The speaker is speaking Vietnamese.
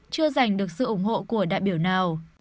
chưa giành được sự ủng hộ của đại biểu nào